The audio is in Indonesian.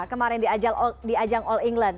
kemarin di ajang all england